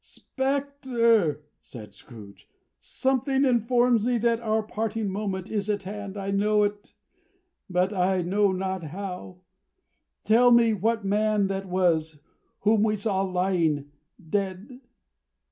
"Spectre," said Scrooge, "something informs me that our parting moment is at hand. I know it, but I know not how. Tell me what man that was whom we saw lying dead?"